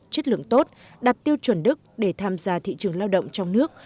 chất lượng tốt đặt tiêu chuẩn đức để tham gia thị trường lao động trong nước